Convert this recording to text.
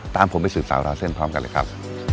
ตามผมไปสืบสาวราวเส้นพร้อมกันเลยครับ